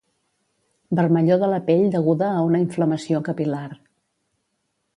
Vermellor de la pell deguda a una inflamació capil·lar.